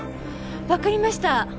わかりました。